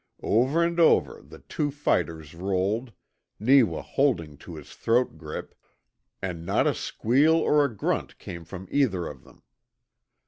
Over and over the two fighters rolled, Neewa holding to his throat grip, and not a squeal or a grunt came from either of them.